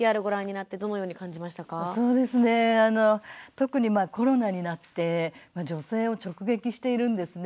特にコロナになって女性を直撃しているんですね。